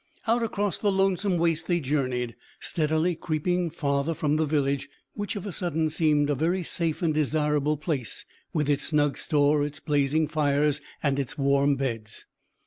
Out across the lonesome waste they journeyed, steadily creeping farther from the village, which of a sudden seemed a very safe and desirable place, with its snug store, its blazing fires, and its warm beds.